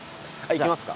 行きますか。